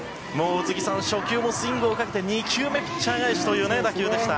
宇津木さん初球もスイングをかけて２球目ピッチャー返しという打球でした。